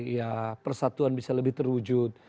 ya persatuan bisa lebih terwujud